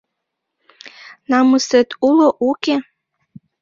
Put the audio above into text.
Намысет уло, уке?»